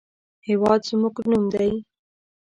هېواد زموږ نوم دی